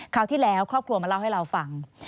ที่แล้วครอบครัวมาเล่าให้เราฟัง